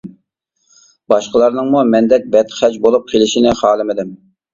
باشقىلارنىڭمۇ مەندەك بەتخەج بولۇپ قىلىشنى خالىمىدىم.